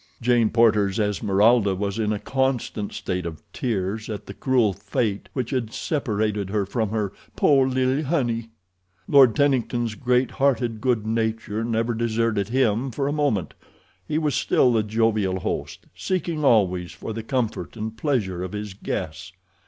Jane Porter's Esmeralda was in a constant state of tears at the cruel fate which had separated her from her "po, li'le honey." Lord Tennington's great hearted good nature never deserted him for a moment. He was still the jovial host, seeking always for the comfort and pleasure of his guests.